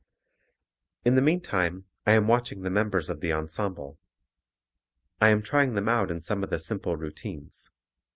In the meantime I am watching the members of the ensemble. I am trying them out in some of the simple routines.